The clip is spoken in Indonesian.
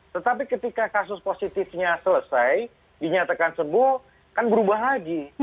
tetapi ketika kasus positifnya selesai dinyatakan sembuh kan berubah lagi